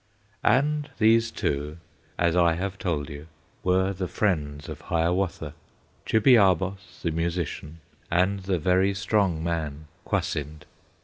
And these two, as I have told you, Were the friends of Hiawatha, Chibiabos, the musician, And the very strong man, Kwasind.